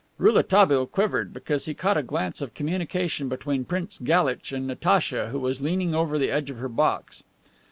(Rouletabille quivered, because he caught a glance of communication between Prince Galitch and Natacha, who was leaning over the edge of her box.)